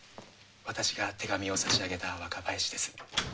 私が手紙を差し上げた若林です。